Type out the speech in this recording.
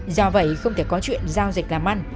do vậy không thể có chuyện giao dịch làm ăn